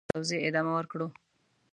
واقعيت پوهېدو وروسته توزيع ادامه ورکړو.